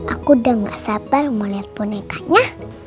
aku udah gak sabar melihat bonekanya